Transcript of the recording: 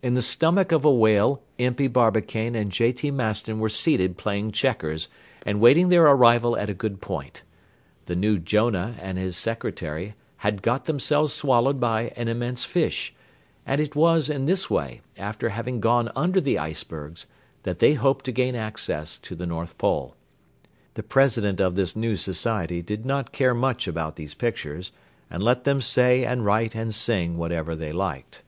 In the stomach of a whale Impey Barbicane and J. T. Maston were seated playing checkers and waiting their arrival at a good point. The new Jonah and his Secretary had got themselves swallowed by an immense fish, and it was in this way, after having gone under the icebergs, that they hoped to gain access to the North Pole. The President of this new Society did not care much about these pictures, and let them say and write and sing whatever they liked.